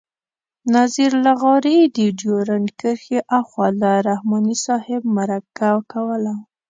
نذیر لغاري د ډیورنډ کرښې آخوا له رحماني صاحب مرکه کوله.